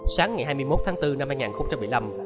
sáng ngày hai mươi một tháng bốn năm hai nghìn một mươi năm